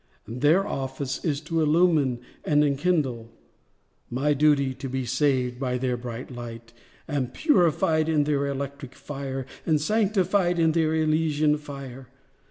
Their office is to illumine and enkindle— My duty, to be saved by their bright light, And purified in their electric fire, And sanctified in their elysian fire.